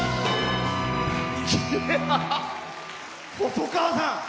細川さん！